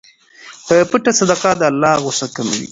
په پټه صدقه د الله غصه کموي.